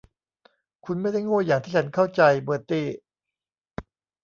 คุณไม่ได้โง่อย่างที่ฉันเข้าใจ เบอร์ตี้